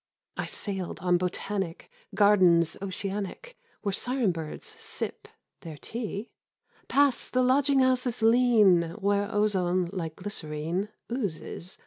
I sailed on botanic Gardens oceanic Where siren birds sip their tea, — Past the lodging houses lean Where ozone like glycerine Oozes.